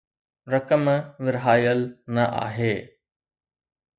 رقم ورهايل نه آهي